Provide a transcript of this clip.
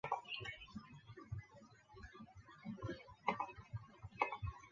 标准工作负荷的能耗数据可能会更容易判断电效率。